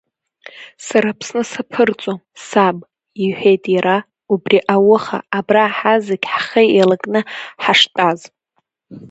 Сара Аԥсны саԥырҵуам, саб, — иҳәеит иара, убри ауха абра ҳазегь ҳхы еилакны ҳаштәаз.